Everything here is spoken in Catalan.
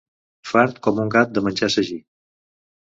Fart com un gat de menjar sagí.